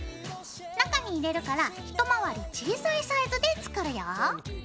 中に入れるから一回り小さいサイズで作るよ。